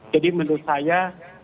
jadi menurut saya